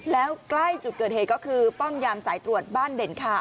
แล้วใกล้จุดเกิดเหตุก็คือป้อมยามสายตรวจบ้านเด่นค่ะ